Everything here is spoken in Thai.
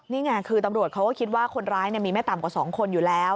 นี่ไงคือตำรวจเขาก็คิดว่าคนร้ายมีไม่ต่ำกว่า๒คนอยู่แล้ว